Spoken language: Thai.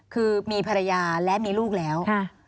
คือมีภรรยาและมีลูกแล้ว